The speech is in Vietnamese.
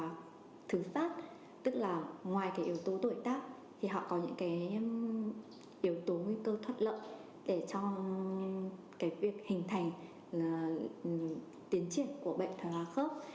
và thứ phát tức là ngoài yếu tố tuổi tác thì họ có những yếu tố nguy cơ thoát lợi để cho việc hình thành tiến triển của bệnh thói hóa khớp